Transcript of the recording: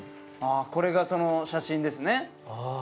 これがその写真ですね。